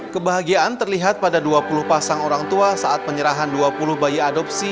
kebahagiaan terlihat pada dua puluh pasang orang tua saat penyerahan dua puluh bayi adopsi